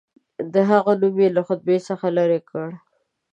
د هغه نوم یې له خطبې څخه لیري کړ.